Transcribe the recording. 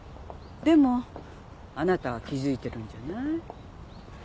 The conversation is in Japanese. でもあなたは気付いてるんじゃない？